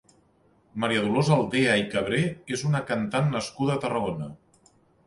Maria Dolors Aldea i Cabré és una cantant nascuda a Tarragona.